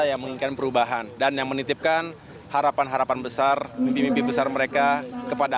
yang menginginkan perubahan dan yang menitipkan harapan harapan besar mimpi mimpi besar mereka kepada